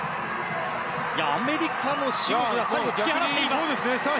アメリカのシムズが最後、突き放しています。